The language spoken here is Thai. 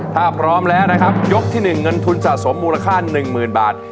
ถ้าพร้อมแล้วนะครับยกที่๑เงินทุนสะสมมูลค่า๑๐๐๐บาท